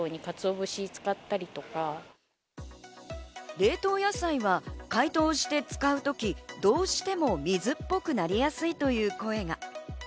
冷凍野菜は解凍して使う時、どうしても水っぽくなりやすいという声が。